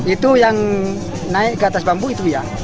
itu yang naik ke atas bambu itu ya